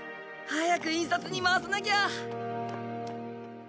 早く印刷に回さなきゃ！